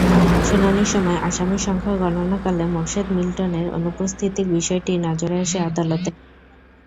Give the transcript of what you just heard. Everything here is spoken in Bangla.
শুনানির সময় আসামির সংখ্যা গণনাকালে মোরশেদ মিলটনের অনুপস্থিতির বিষয়টি নজরে আসে আদালতের।